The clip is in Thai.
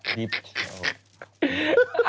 ดีป่ะ